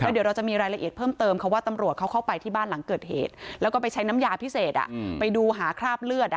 เดี๋ยวเราจะมีรายละเอียดเพิ่มเติมเขาว่าตำรวจเขาเข้าไปที่บ้านหลังเกิดเหตุแล้วก็ไปใช้น้ำยาพิเศษไปดูหาคราบเลือด